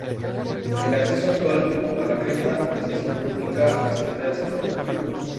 El acceso actual a la cripta se hace por una única escalera central.